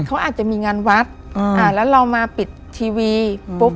เขาอาจจะมีงานวัดอ่าแล้วเรามาปิดทีวีปุ๊บ